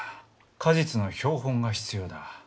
果実の標本が必要だ。